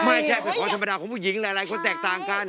ไม่ใช่เป็นของธรรมดาของผู้หญิงหลายคนแตกต่างกัน